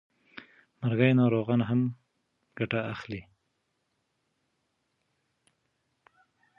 مرګي ناروغان هم ګټه اخلي.